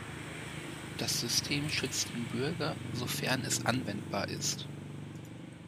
Das System schützt den Bürger, sofern es anwendbar ist.